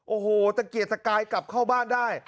โอ้โหตะเกียดตะกายกลับเข้าบ้านได้